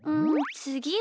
つぎは。